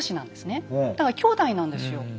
だから兄弟なんですよ。